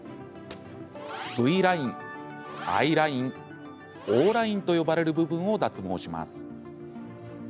ＶラインＩラインＯラインと呼ばれる部分を脱毛します。